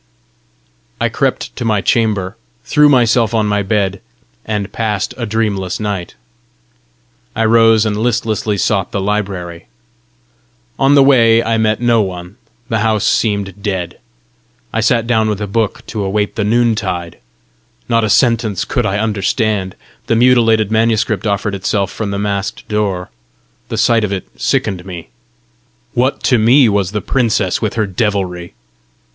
I crept to my chamber, threw myself on my bed, and passed a dreamless night. I rose, and listlessly sought the library. On the way I met no one; the house seemed dead. I sat down with a book to await the noontide: not a sentence could I understand! The mutilated manuscript offered itself from the masked door: the sight of it sickened me; what to me was the princess with her devilry!